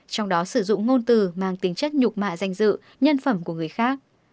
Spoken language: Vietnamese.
trong đó sử dụng ngôn từ mang tính chất nhục mạ danh dự nhân phẩm của người khác